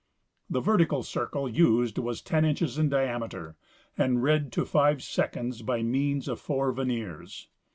The vertical circle used was ten inches in diameter and read to five seconds by means of four verniers.